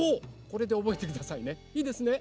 これでおぼえてくださいねいいですね。